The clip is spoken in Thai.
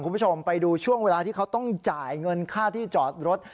คุณผู้ชมไปดูช่วงเวลาที่เขาต้องจ่ายเงินค่าที่จอดรถ